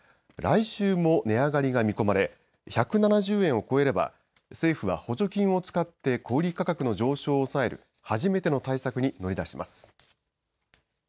来週も値上がりが見込まれ１７０円を超えれば政府は補助金を使って小売価格の上昇を抑える初めての対策に乗り出します。